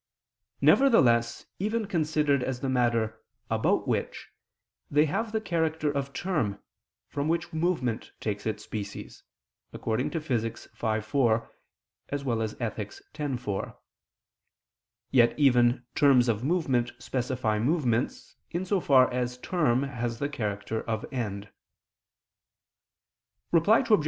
Nevertheless, even considered as the matter "about which," they have the character of term, from which movement takes its species (Phys. v, text. 4; Ethic. x, 4); yet even terms of movement specify movements, in so far as term has the character of end. Reply Obj.